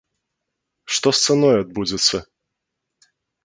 Што з цаной адбудзецца?